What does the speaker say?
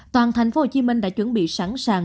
toàn thành phố hồ chí minh đã chuẩn bị sẵn sàng